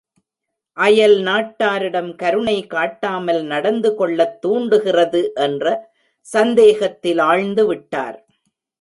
அயல், நாட்டாரிடம் கருணைகாட்டாமல் நடந்துகொள்ளத் தூண்டுகிறது என்ற சந்தேகத்திலாழ்ந்துவிட்டார்.